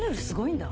すごい。